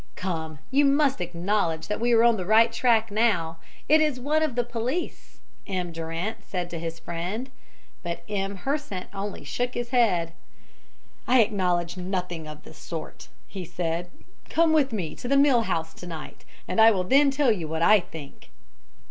"Come, you must acknowledge that we are on the right track now it is one of the police," M. Durant said to his friend. But M. Hersant only shook his head. "I acknowledge nothing of the sort," he said. "Come with me to the mill house to night, and I will then tell you what I think."